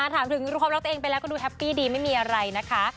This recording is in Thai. ถามถึงความรักตัวเองไปแล้วก็ดูแฮปปี้ดีไม่มีอะไรนะคะ